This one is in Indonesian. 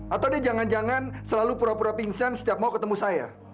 atau dia jangan jangan selalu pura pura pingsan setiap mau ketemu saya